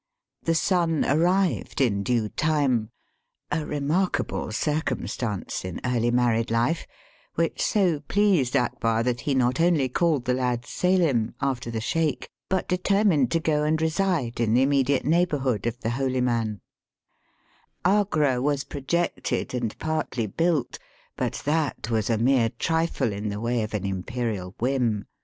The son arrived in due time, a remarkable circum stance in early married life which so pleased Akbar that he not only called the lad Selim, after the Sheik, but determined to go and reside in the immediate neighbourhood of the lioly man, Agra was projected and partly Digitized by VjOOQIC THE CAPITAL OF THE GREAT MOGUL. 269^ built, but that was a mere trifle in the way of an imperial whim.